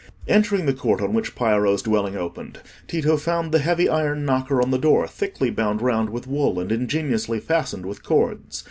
Entering the court on which Piero's dwelling opened, Tito found the heavy iron knocker on the door thickly bound round with wool and ingeniously fastened with cords.